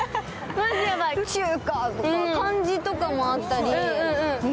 中華とか、漢字とかもあったり。